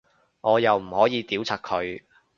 我又唔可以屌柒佢